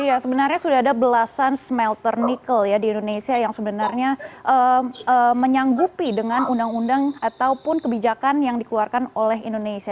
iya sebenarnya sudah ada belasan smelter nikel ya di indonesia yang sebenarnya menyanggupi dengan undang undang ataupun kebijakan yang dikeluarkan oleh indonesia